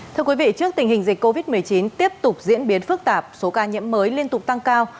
thưa quý vị trước tình hình dịch covid một mươi chín tiếp tục diễn biến phức tạp số ca nhiễm mới liên tục tăng cao